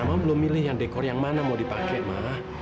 mama belum milih yang dekor yang mana mau dipakai mah